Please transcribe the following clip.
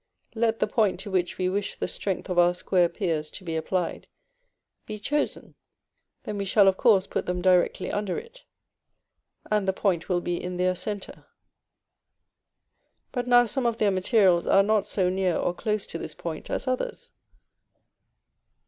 Let the point to which we wish the strength of our square piers to be applied, be chosen. Then we shall of course put them directly under it, and the point will be in their centre. But now some of their materials are not so near or close to this point as others.